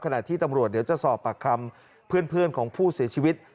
ที่ตำรวจเดี๋ยวจะสอบปากคำเพื่อนของผู้เสียชีวิต